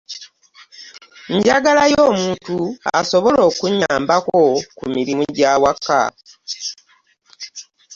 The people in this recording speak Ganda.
Njagalayo omuntu asoboba okunnyambako ku mirimu gy'ewaka.